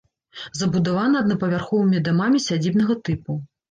Забудавана аднапавярховымі дамамі сядзібнага тыпу.